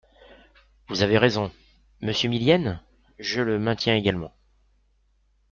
Vous avez raison ! Monsieur Millienne ? Je le maintiens également.